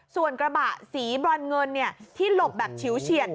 ส่วนกระบะสีบรอนเงินที่หลบแบบฉิวเฉียด